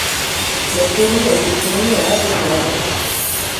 La série a été tournée à Avoriaz.